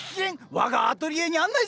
我がアトリエに案内するわ！